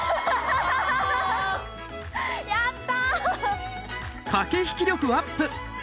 やった！